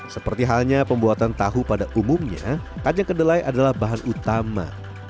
seperti halnya pembuatan tahu pada umumnya kacang kedelai adalah bahan utama